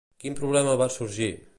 Quin problema va sorgir?